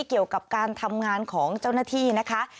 เกี่ยวกับการทำงานของเจ้าหน้าที่นะคะ